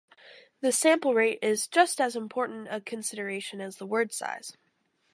The sample rate is just as important a consideration as the word size.